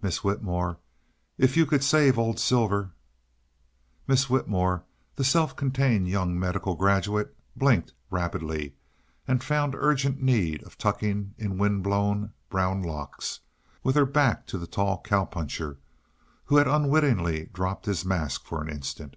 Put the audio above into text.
"Miss Whitmore if you could save old Silver " Miss Whitmore, the self contained young medical graduate, blinked rapidly and found urgent need of tucking in wind blown, brown locks, with her back to the tall cow puncher who had unwittingly dropped his mask for an instant.